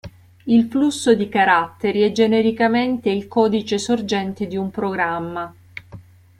Il flusso di caratteri è genericamente il codice sorgente di un programma.